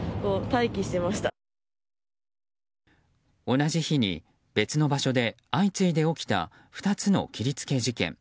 同じ日に別の場所で相次いで起きた２つの切り付け事件。